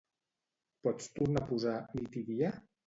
Pots tornar a posar "Nit i dia"?